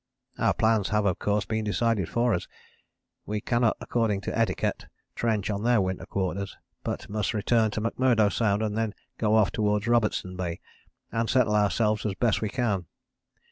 "Our plans have of course been decided for us. We cannot according to etiquette trench on their winter quarters, but must return to McMurdo Sound and then go off towards Robertson Bay and settle ourselves as best we can.